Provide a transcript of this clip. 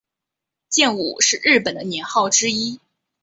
建武是日本的年号之一。